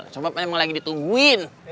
sobat memang lagi ditungguin